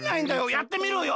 やってみるよ！